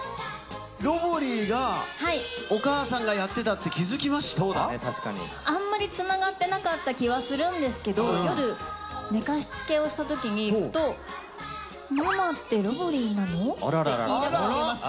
ロボリィがお母さんがやってあんまりつながってなかった気はするんですけれども、夜、寝かしつけをしたときに、ふと、ママってロボリィなの？って言いながら寝てました。